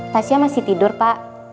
tasya masih tidur pak